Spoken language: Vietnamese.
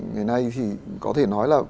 ngày nay thì có thể nói là